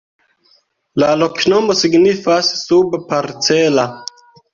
La loknomo signifas: suba-parcela.